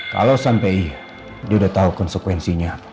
kalau sampai dia udah tahu konsekuensinya